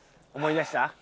思い出した？